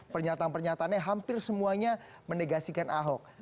pernyataan pernyataannya hampir semuanya menegasikan ahok